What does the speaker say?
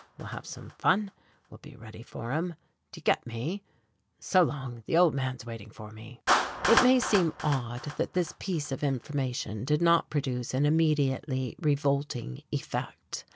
We'll have some fun, we'll be ready for him. Do you get me? So long. The old man's waiting for me." It may seem odd that this piece of information did not produce an immediately revolting effect.